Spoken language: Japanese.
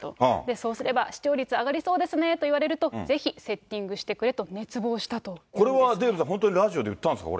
そうすれば視聴率上がりそうですねと言われると、ぜひセッティングしてくれと、これはデーブさん、本当にラジオで言ったんですか？